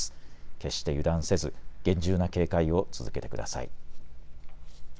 決して油断せず厳重な警戒を続けてください。